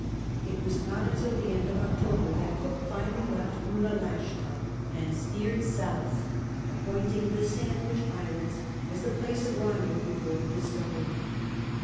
It was not until the end of October that Cook finally left Oonalashka and steered south, appoint ing the Sandwich Islands as the place of rendezvous for the Discovery.